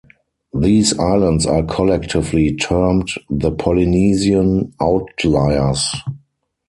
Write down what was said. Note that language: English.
These islands are collectively termed the Polynesian "outliers".